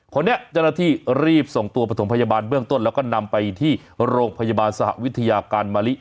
คนนี้เจ้าหน้าที่รีบส่งตัวประถมพยาบาลเบื้องต้นแล้วก็นำไปที่โรงพยาบาลสหวิทยาการมะลิ